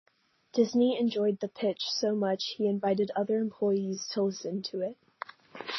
Disney enjoyed the pitch so much he invited other employees to listen to it.